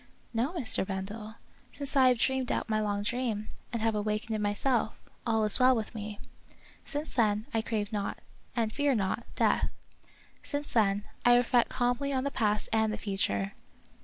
" No, Mr. Bendel, since I have dreamed out my long dream, and have awakened in myself, all is well with me ; since then, I crave not, and fear not, death. Since then, I reflect calmly on the past and the future.